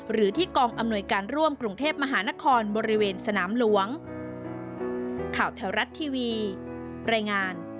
หรือที่กองอำนวยการร่วมกรุงเทพมหานครบริเวณสนามหลวง